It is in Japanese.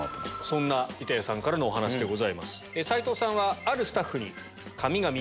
そんな板谷さんからのお話です。